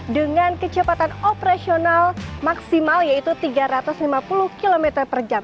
dengan kecepatan operasional maksimal yaitu tiga ratus lima puluh km per jam